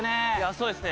そうですね。